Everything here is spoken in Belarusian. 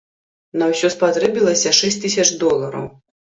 На ўсё спатрэбілася шэсць тысяч долараў.